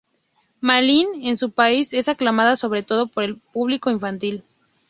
Malin en su país es aclamada sobre todo por el público infantil.